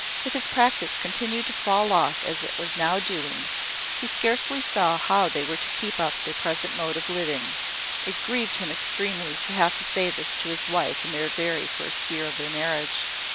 If his practice continued to fall off as it was now doing, he scarcely saw how they were to keep up their present mode of living. It grieved him extremely to have to say this to his wife in the very first year of their marriage.